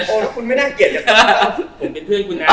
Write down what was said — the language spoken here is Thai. โอ้วแต่คุณไม่น่าเกลียดเกี่ยวแหล่ะ